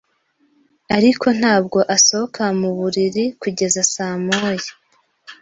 ariko ntabwo asohoka muburiri kugeza saa moya.